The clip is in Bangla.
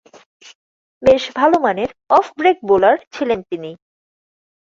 বেশ ভালোমানের অফ ব্রেক বোলার ছিলেন তিনি।